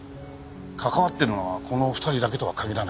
関わっているのはこの２人だけとは限らない。